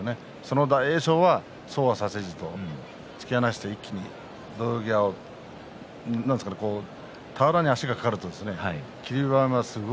大栄翔はそうはさせない突き放して一気に土俵際俵に足が掛かると霧馬山